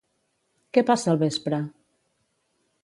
Què passa al vespre?